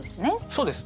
そうです。